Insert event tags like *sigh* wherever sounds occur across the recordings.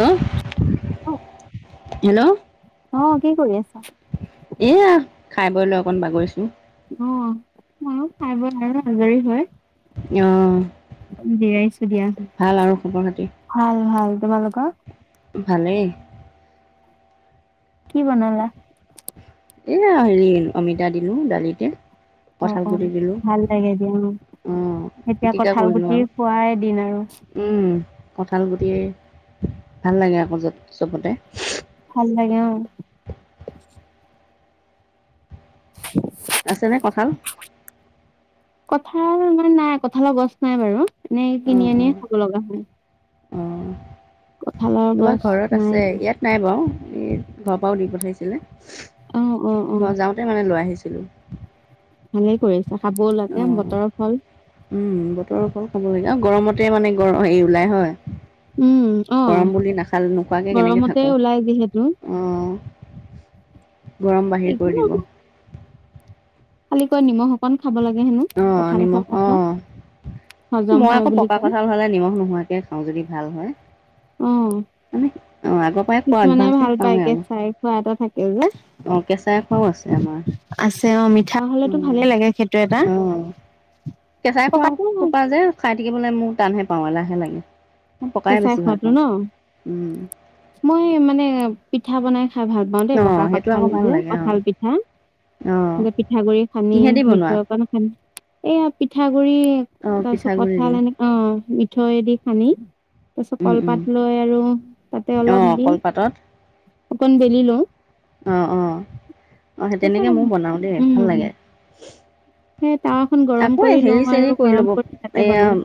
হম, অ', হেল্ল'। অ' কি কৰি আছা? এয়া, খাই বৈ লৈ অকন বাগৰিছো। অ', মইয়ো খাই বৈ লৈ আৰু আজৰি হৈ অ', জিৰাইছো দিয়া। ভাল আৰু খবৰ খাতি। ভাল ভাল তোমালোকৰ? ভালেই। কি বনালা। এয়া হেৰি অমিতা দিলো দালিতে। কঁঠাল অ' গুটি অ', দিলোঁ ভাল লাগে দিয়া অ, অঁ এতিয়া পিটিকা কঠাল কৰিলোঁ গুটি আৰু খোৱয়ে দিন আৰু। উম, কঁঠাল গুটিয়ে, ভাল লাগে আকৌ য'ত চবতে। ভাল লাগে অ। আছেনে কঁঠাল? কঠাল আমাৰ নাই। কঠালৰ গছ নাই বাৰু এনেই অঁ কিনি অঁ আনিয়ে খাব লগা হয়। কঁঠালৰ আমাৰ গছ ঘৰত নাই আছে ইয়াত নাই বাউ, এই ঘৰৰ পৰাও দি পঠাইছিলে, অ', অ', ঘৰ যাওঁতে মানে লৈ আহিছিলোঁ। ভালে কৰিছা খাবও লাগে অঁ বতৰৰ ফল। উম বতৰৰ ফল খাব লাগে। অ গৰমতে মানে গৰ হেৰি ওলাই হয়। উম, অ', গৰম বুলি নাখাল নোখোৱাকে কেনেকে গৰমতে থাকো। ওলাই যিহেতু। অহ। গৰম বাহিৰ একো কৰি দিব। খালিকৈ নিমখ অকন খাব লাগে হেনো। অ কঁঠাল খোৱাৰ নিমখ অ, পাছত হজম মই হয় আকৌ বুলি পকা কয়। কঠাল হ'লে নিমখ নোহোৱাকে কে খাওঁ যদি ভাল হয়। অ, মানে অঁ আগৰ পৰাই খোৱা কিছুমানে অভ্যাস যে ভাল পায় খাওঁৱেই আৰু কেঁচাই খোৱা এটা থাকে যে। অঁ কেঁচাই খোৱাও আছে আমাৰ। আছে অ মিঠা হ'লেতো ভালে লাগে সেইটো এটা। অঁ কেঁচাই খোৱা পকাটো খোপা যে খাই থাকিবলে মোৰ টানহে পাওঁ এলাহে লাগে। মই পকাই কেঁচাই বেছি ভাল খোৱাটো পাওঁ। ন? উম। মই মানে পিঠা বনাই খাই ভাল পাওঁ দেই। অঁ পকা সেইটো কঁঠাল আকৌ ভাল যে লাগে অঁ কঁঠাল পিঠা। অঁ এ পিঠাগুৰি খানি, কিহেদি বনোৱা মিঠৈ অকণ খানি এইয়া পিঠাগুৰি, অঁ তাৰপিছত পিঠাগুড়ি দি কঠাঁল এনেক অঁ মিঠৈ দি সানি। তাৰছত কলপাত লৈ আৰু তাতে অলপ অঁ দি কলপাতত। অকণ বেলি লওঁ। অঁ অঁ অঁ সেই তাৰপিছত তেনেকে ময়ো বনাও দেই ভাল উম, লাগে। সেই তাৱাখন গৰম আকৌ কৰি হেৰি লওঁ চেৰি আৰু গৰম ল'ব কৰি তাতে এয়া বনাও,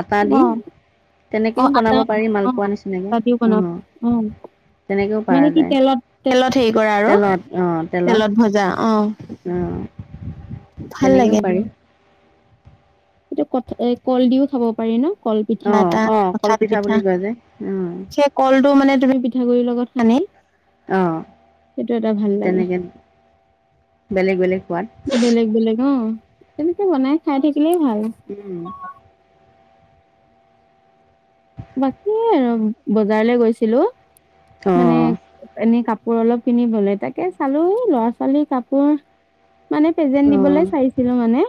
আটা দি অঁ। *unintelligible* তেনেকেও অঁ বনাব আটা দি পাৰি অঁ মালপোৱা নিচিনাকে আটা দিও অ তেনেকেও পাৰা মানে কি যায় তেলত, তেলত হেৰি কৰা আৰু, তেলত তেলত ভজা অঁ। অঁ। ভাল লাগে দিয়া। এইটো‌ কঠঁ এ কল দিও খাব পাৰি ন', কল অ পিঠা এটা, অ কঁঠাল কলপিঠা পিঠা বুলি কয় যে অ এটা কলটো মানে তুমি পিঠাগুৰিৰ লগত সানি অ'। সেইটো এটা ভাল লাগে। তেনেকে বেলেগ বেলেগ সোৱাদ বেলেগ বেলেগ অঁ, তেনেকে বনাই খাই থাকিলেই ভাল। উম। বাকী আৰু বজাৰলে গৈছিলো, অ মানে এনেই কাপোৰ অলপ কিনিবলে তাকে চালো, ল'ৰা ছোৱালীৰ কাপোৰ মানে প্ৰেজেন্ট দিবলে চাইছিলো মানে,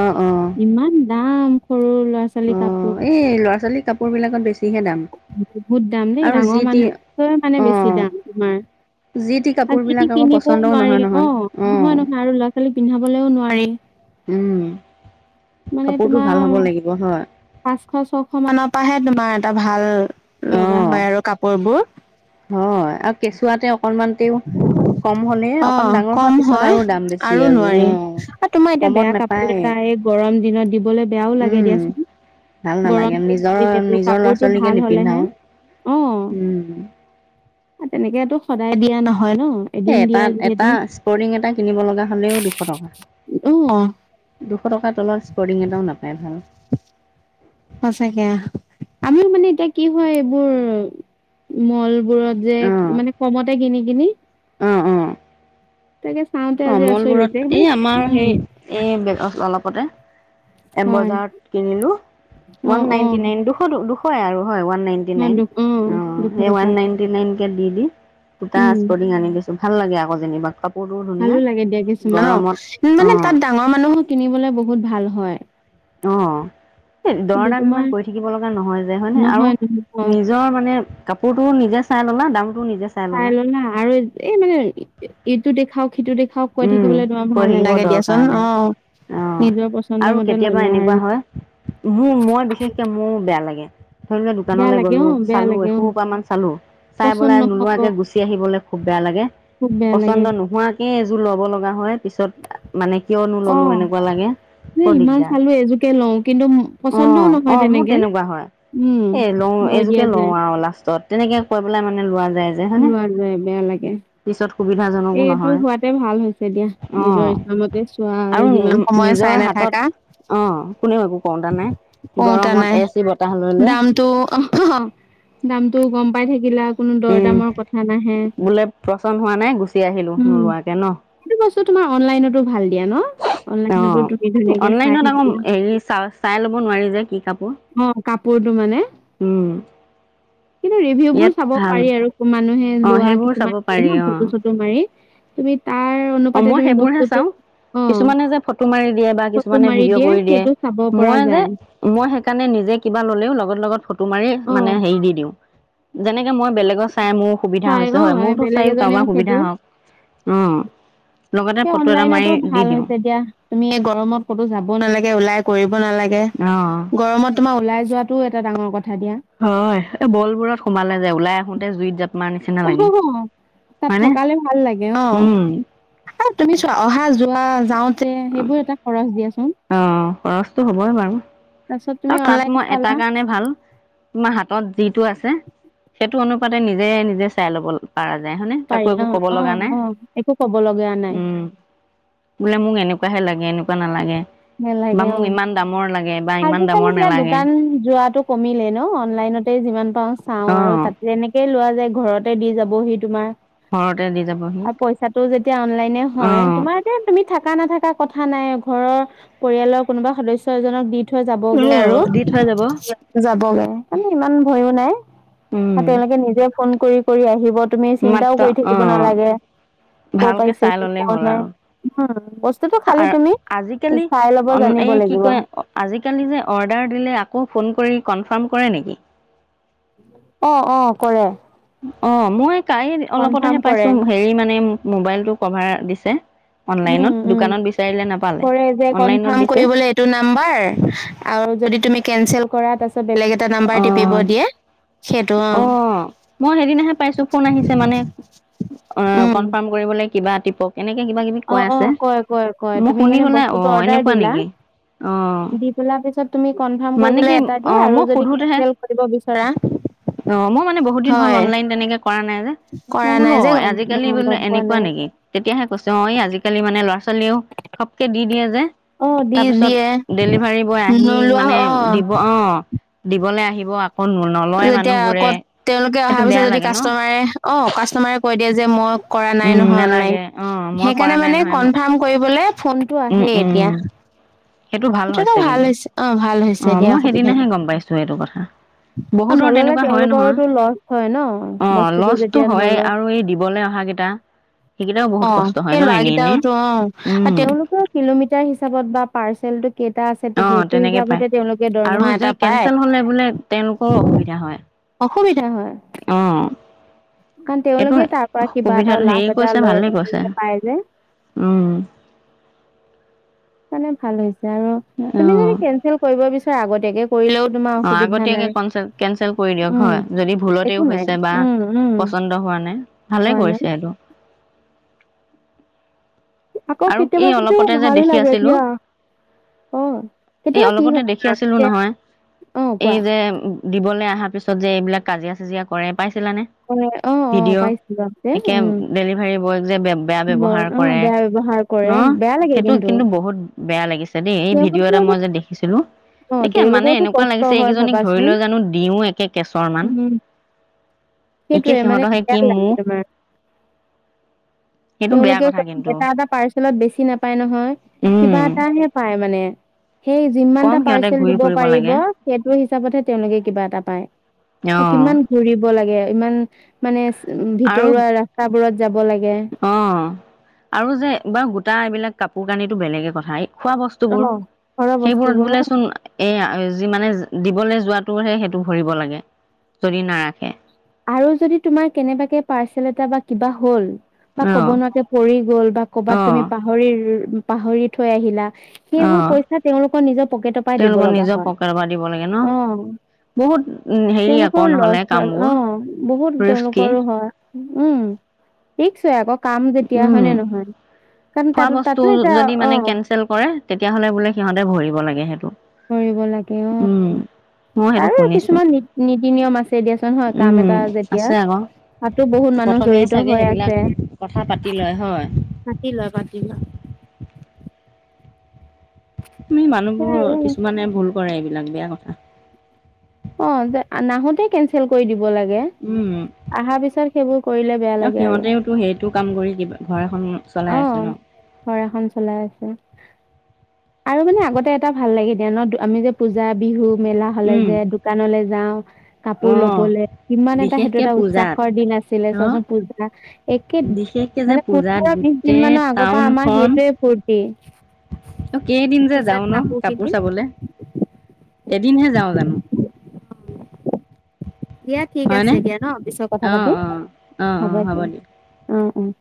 অ অ অ ইমান দাম সৰু ল'ৰা ছো অ খালী কাপোৰ। এই, ল'ৰা ছোৱালী কাপোৰ বিলাকত বেছি বহুত দাম দেই, ডাঙৰ টি মানুহতকৈয়ো অ মানে বেছি দাম তোমাৰ। যি টি আজিকালি কাপোৰবিলাক আকৌ কিনিবও পচন্দও নোৱাৰি নহয় নহয় অঁ অ নহয় ল'ৰা কালি পিন্ধাবলৈও নোৱাৰি, উম মানে কাপোৰটো ভাল তোমাৰ হ'ব লাগিব হয় পাঁচশ, ছশ মানৰ পৰাহে তোমাৰ এটা ভাল, অ লগা হয় আৰু কাপোৰ বোৰ। হয় আৰু কেঁচুৱাতে অকনমানতেও অঁ, কম হয় দাম বেছি আৰু নোৱাৰি অ আৰু তোমাৰ এতিয়া কমত বেয়া কাপোৰ নাপায় এটা এই গৰম দিনত দিবলে বেয়াও লাগে উম দিয়া চোন। ভাল নালাগে, নিজৰ, নিজৰ ল'ৰা কাপোৰটো ছোৱালীকে ভাল হ'লেহে, নিপিন্ধাও। উম। হে তেনেকো সদায় দিয়া নহয় ন'। এ, এদিন এটা, দিয়া যিহেতু, এটা স্পৰ্টিং এটা কিনিব লগা হ'লেও দুশ টকা। অ', দুশ টকাৰ তলত স্পৰ্টিং এটাও নাপায় ভাল। সচাঁকে আহ, আমিও মানে এতিয়া কি হয় এইবোৰ মল বোৰত যে, মানে কমতে কিনি কিনি অঁ অঁ। তাকে চাওঁতে অঁ, আজি আচৰিত মলবোৰত লাগিছে এই মানে আমাৰ উম সেই, এই *unintelligible* অলপতে এম হয় বজাৰত কিনিলো, অ ৱান অ নাইনটি নাইন, দুশ, দুশয়ে আৰু হয় ওৱন' নাইন টি অ নাইন, দু অ', দুশ সেই ৱান টকাত নাইন কে, দি, দি, দুটা উম স্পৰ্টিং আনি দিছো, ভাল লাগে আকৌ যেনিবা, কাপোৰ ভালো লাগে দিয়া কিছুমান অঁ মানে অঁ তাত ডাঙৰ মানুহো কিনিবলে বহুত ভাল হয়। অঁ। এ, কিন্তু দৰদাম তোমাৰ ইমান কৰি থাকিব লগা নহয় যে, হয় ন', আৰু নহয় নহয় নিজৰ মানে কাপোৰটো নিজে চাই ল'লা, দামটো নিজে চাই লও না আৰু এই মানে এইটো দেখাওক সিটো দেখাওক, কৈ থাকিবলৈ তোমাৰ কৰি ভাল থাকিব নালাগে দৰকাৰ দিয়াচোন নাই অ'। অ' নিজৰ পচন্দ মতে ল'লা আৰু। ওহো মই বিশেষকে মোৰ বেয়া লাগে। বেয়া দোকানলৈ লাগে গলো, অ বেয়া চালো লাগে অ এসোপা মান চালো, চাই পচন্দ পেলাই নহব নোলোৱাকে গুচি গুচি আহিবলে খুব বেয়া লাগে, খুব বেয়া লাগে পচন্দ নোহোৱাকে এযোৰ ল'ব লগা হয় পিছত মানে কিয়নো অ ললো এনেকুৱা লাগে। এ বৰ ইমান দিগদাৰ, চালো এযোকে লওঁ কিন্তু ম- অ পচন্দও অ নহয় মোৰ তেনেকে তেনেকুৱা হয়। উম এ, লওঁ লৈ এইযোকে দিয়া লওঁ যায় আৰু লাষ্টত তেনেকে কৈ পেলাই মানে লোৱা যায়। যে হয়নে লোৱা যায়, বেয়া লাগে। পিছত সুবিধাজনকো নহয়। তাতে ভাল হৈছে দিয়া, নিজৰ অ' ইচ্ছামতে চোৱা আৰু যিমান সময় চাই নাথাকা। অ কোনেও একো কওঁতা নাই। কওঁতা গৰমত নাই, এ চি বতাহ লৈ লৈ দামটো অ অহ দামটো গম পাই থাকিলা কোনো দৰ উম দামৰ কথা নাহে বোলে পচন্দ হোৱা নাই গুচি আহিলো উম নোলোৱাকে ন সেইটো বস্তু তোমাৰ অনলাইনতো ভাল দিয়া ন অ অনলাইনতো তুমি ধুনীয়াকে চাই অনলাইনত আকৌ থাকিলা হেৰি চা চাই ল'ব নোৱাৰি যে কি কাপোৰ অ কাপোৰটো মানে উম কিন্তু ৰিভিউ বোৰ ইয়াত চাব ভাল পাৰি আৰু মানুহে অঁ লোৱা সেইবোৰ চাব কিছুমান থাকে ন ফটো মাৰি তুমি তাৰ অ অনুপাতে মই তুমি সেইবোৰহে বস্তুটো চাও অ কিছুমানে যে ফটো মাৰি দিয়ে বা ফটো কিছুমানে মাৰি ভিডিঅ' কৰি দিয়ে সেইটো চাব পৰা মই যে যায় মই সেইকাৰণে নিজে কিবা ললেও লগত লগত ফটো মাৰি অ মানে হেৰি দি দিওঁ যেনেকে মই বেলেগৰ চাই মোৰ সুবিধা চাই হৈছে অ হয় মোৰতো বেলেগ চাইও এজনেও কাৰোবাৰ সেইটো সুবিধা হওক উম লগতে সেই ফটো এটা মাৰি অনলাইনতো দি ভাল দিওঁ হৈছে দিয়া তুমি এই গৰমত ক'তো যাব নালাগে ওলাই কৰিব নালাগে গৰমত তোমাৰ ওলাই যোৱাটোও এটা ডাঙৰ কথা দিয়া হয় এই ম'ল বোৰত সোমালে যে ওলাই আহোতে জুইত জাপ মাৰা নিচিনা অ হ লাগে অ তাত হয়নে থকালে ভাল লাগে অ উম তুমি চোৱা অহা যোৱা যাওঁতে সেইবোৰ এটা খৰচ দিয়াচোন অ খৰচটো হ'বই বাৰু তাৰপিছত তুমি আৰু তাত অনলাইন মই এটা চালা কাৰণে ভাল তোমাৰ হাতত যিটো আছে সেইটো অনুপাতে নিজে নিজে চাই ল'ব পাৰা যায় হয়নে কাকো পাৰি অ একো কব অ লগা নাই অ একো ক'ব লগা নাই উম বোলে মোক এনেকুৱাহে লাগে এনেকুৱা নালাগে বা মোক ইমান দামৰ লাগে বা ইমান খালি দামৰ এতিয়া নালাগে দোকান যোৱাটো কমিলে ন অনলাইনতে যিমান পাওঁ চাওঁ আৰু অ তাতে এনেকেই লোৱা যায় ঘৰতে দি যাবহি তোমাৰ ঘৰতে দি যাবহি আৰু পইচাটো যেতিয়া অনলাইনে হয় অ'। তোমাৰ এ তুমি থাকা নাথাকা কথা নাই ঘৰৰ পৰিয়ালৰ কোনোবা সদস্য এজনক দি থৈ যাবগৈ আৰু অ', দি থৈ যাব যাবগৈ মানে ইমান ভয়ো নাই উম, আৰু তেওঁলোকে নিজে ফোন কৰি কৰি আহিব তুমি চিন্তাও মাত্ৰ কৰি থাকিব অ', নালাগে কৰ ভালকে চাই পাইছেহি কৰ নাই বস্তুটো খালি আ তুমি আজিকালি চাই ল'ব অন জানিব এই কি লাগিব কয় আজিকালি যে অৰ্ডাৰ দিলে আকৌ ফোন কৰি কনফাৰ্ম কৰে নেকি? অঁ অঁ কৰে। অঁ, মই কাই কনফাৰ্ম অলপতেহে কৰে পাইছো হেৰি মোবাইলটো কভাৰ দিছে। উম অনলাইনত উম দোকানত বিচাৰিলে নাপালে, অনলাইনত দিছে। টো নাম্বাৰ আৰু যদি তুমি কেনচেল কৰা তাৰপাছত বেলেগ এ টা নাম্বাৰ টিপিব অ', দিয়ে, সেইটো অঁ। অ'। মই সেইদিনাহে পাইছো ফোন আহিছে মানে অঁ উম কনফাৰ্ম কৰিবলৈ কিবা তিপক। তেনেকে কিবা কিবি অ কৈ অ আছে, কয় কয় কয় মই তুমি শুনি মানে পেলাই অ বস্তুটো অৰ্ডাৰ এনেকুৱা দিলা নেকি। অ দি পেলাই পিছত তুমি কনফাৰ্ম মানে কি কৰিবলে এ টা অ দিয়ে মই আৰু যদি কেনচেল কৰিব বিচৰা অঁ মই মানে বহুত দিন হ'ল হয় অনলাইন তেনেকে কৰা নাই যে, মই কৰা বোলো নাই যে অ গম আজিকালি অ বোলো গম পোৱা এনেকুৱা নাই নেকি। তেতিয়াহে কৈছে, অঁ আজিকালি মানে ল'ৰা ছোৱালীয়েও ঘপকে দি দিয়ে যে। অ দি তাৰপিছত দিয়ে ডেলিভাৰী বয় আহি নোলোৱা মানে অ ব অঁ দিবলৈ আহিব আকৌ নো যেতিয়া ক'ত তেওঁলোকে অহাৰ পিছত বেয়া যদি লাগে ন কাষ্টমাৰে অঁ কাষ্টমাৰে কৈ দিয়ে যে মই কৰা নাই উম নহয় অনলাইন, নালাগে অ মই কৰা সেইকাৰণে নাই মানে নহয় কনফাৰ্ম কৰিবলে ফোনটো উম আহেই উম এতিয়া। সেইটো ভাল সেইটোতো হৈছে কিন্তু, অ ভাল হৈছে অঁ দিয়া মই সুবিধাটো সেইদিনাহে গম পাইছো এইটো কথা। অ বহুতৰ নললে তেনেকুৱা হয় নহয় তেওঁলোকৰোতো লছ হয় ন অ বস্তুটো লছটো যেতিয়া হয়ে আৰু এই দিবলৈ অহা কেই টা। অঁ সেই লৰা কেইটা অঁ আৰু উম তেওঁলোকো কিলোমিটাৰ বা পাৰ্চেলটো কেইটা আছে, অ সেইটো তেনেকে হিচাপতে পায় তেওঁলোকে আৰু দৰমহা যে এটা পায়। কেনচেল হলে বোলে তেওঁলোকৰো অসুবিধা হয়। অঁ। কাৰণ এইটো, তেওঁলোকে তাৰ পৰা কিবা এটা সুবিধাত লাভ হেৰি এটা কৈছে লয় ভালেই কৈছে। পাই যে উম। মানে ভাল হৈছে আৰু অ তুমি যদি কেনচেল কৰিব বিচাৰা আগতীয়াকে কৰিলেও তোমাৰ অঁ, অসুবিধা আগতীয়াকে নাই কন্সেল কেন্সেল কৰি দিয়ক উম হয় যদি ভুলতেও একো নাই হৈছে বা উম উম পচন্দ হোৱা নাই ভালে হোৱা নাই কৰিছে সেইটো। আকৌ আৰু কেতিয়াবা এই কিন্তু অলপতে যে ভাল দেখি লাগে আছিলো। দিয়া। অ', এই কেতিয়াবা কি অলপতে হয় দেখি আছিলো যে নহয়, অ', এই কোৱা। যে দিবলৈ অহাৰ পিছত যে এইবিলাক কাজিয়া চাজিয়া কৰে পাইছিলানে? কৰে অ', অ', ভিডিঅ' পাইছিলো আগতে একে উম, ডেলিভাৰী বয়ক যে বেয়া বৰ ব্যৱহাৰ অ', কৰে। বেয়া ব্যৱহাৰ ন কৰে বেয়া লাগে সেইটো কিন্তু বহুত বেয়া লাগিছে দেই, এই ভিডিঅ' তেওঁলোকে এটা মই অলপ যে দেখিছিলোঁ। অ', একে মানে তেওঁলোকৰতো এনেকুৱা কষ্ট লাগিছে হয় এইকেইজনীক ধৰি ভাবাচোন লৈ জানো দিওঁ কে চৰ মান। উম, একেই সেইটোয়ে মানে সিহঁতৰ সেই বেয়া কি লাগে মুখ। তোমাৰ সেইটো বেয়া তেওঁলোকে কথা কিন্তু। এটা পাৰ্চেলত বেছি নাপায় নহয়, উম কিবা এটাহে পাই মানে কম যিমানটা সিহঁতে পাৰ্চেল ঘূৰি দিব ফুৰিব পাৰিব। লাগে সেইটো হিচাপতহে তেওঁলোকে কিবা এটা পায়, অ কিমান ঘূৰিব লাগে ইমান মানে ভিতৰুৱা ৰাস্তাবোৰত যাব লাগে। অঁ, আৰু যে এইবাৰ গোটা এইবিলাক কাপোৰ কানিটো বেলেগে পঠাই এই খোৱা ব স্তুবোৰ ঘৰৰ সেইবোৰত বস্তুবোৰ বোলে চোন এয়া যি মানে দিবলে যোৱাতটোহে সেইটো ভৰিব লাগে যদি নাৰাখে। আৰু যদি তোমাৰ কেনেবাকে পাৰ্চেল এটা বা কিবা হ'ল। বা ক'ব অঁ নোৱাৰে পৰি গ'ল বা ক'বাত অঁ তুমি পাহৰিৰ-পাহৰি থৈ আহিলা সেইবোৰ অঁ পইচা তেওঁলোকৰ নিজৰ পকেটৰ পাই দিব তেওঁলোকৰ লগা নিজৰ হয় পকেটৰ পৰা দিব লাগে ন অ'। বহুত উম, হেৰি তেওঁলোকৰ আকৌ লছ নহ'লে কাম। হয় অ' বহুত তেওঁলোকৰো হয় উম, *unintelligible* আক কাম যেতিয়া হয় উম নে নহয় কাৰণ তাতো, তাতো এটা অ। ফেল কৰে তেতিয়াহ'লে বোলে সিহঁতে ভৰিব লাগে সেইটো। ভৰিব লাগে অ। উম মই সেইটো আৰু শুনিছোঁ কিছুমান নীত-নীতি-নিয়ম আছে দিয়াচোন হয় কাম উম এটা যেতিয়া আছে আকৌ তাতো বহুত মানুহ প্ৰথমেই জড়িত চাগে হৈ সেইবিলাক আছে। কথা পাতি লয় হয়। পাতি লয়, পাতি লয়। আমি মানুহবোৰ কিছুমানে ভুল কৰে এইবিলাক বেয়া কথা। অ' দে আ নাহোতে কেনচেল কৰি দিব লাগে। উম, আহাৰ পিছত সেইবোৰ কৰিলে বেয়া লাগে আৰু অ'সিহঁতেওতো সেইটো কাম কৰি কিবা ঘৰ এখন অ চলাই আছে ন'। ঘৰ এখন চলাই আছে। আৰু মানে আগতে এটা ভাল লাগে দিয়া ন, আমি যে পূজা, বিহু মেলা হ'লে উম যে দোকানলে যাওঁ কাপোৰ অঁ ল'বলে কিমান এটা সেইটো বিশেষকে এটা পূজাত উৎচাসৰ দিন আছিলে ন চোৱাচোন পূজা একে বিশেষকে যে মানে পূজাত পোন্ধৰ, বিছ দিন গোটেই মানৰ আগৰ পা আমাৰ সেইটোৱে ফূৰ্তি। অ'কেইদিন যে যাও পূজাত ন' কিনি কাপোৰ চাবলে এদিনহে যাও জানো। দিয়া ঠিক আছে হয়নে দিয়া ন' পিছত কথা অঁ পাতিম অঁ অঁ হ'ব অঁ দিয়া অ'অ'।